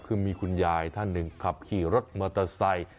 คือมีคุณยายท่านหนึ่งขับขี่รถมอเตอร์ไซค์